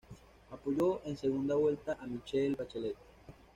Apoyó en segunda vuelta a Michelle Bachelet.